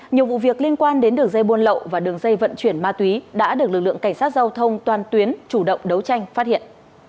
nhiều vụ việc liên quan đến đường dây buôn lậu và đường dây vận chuyển ma túy đã được lực lượng cảnh sát giao thông toàn tuyến chủ động đấu tranh phát hiện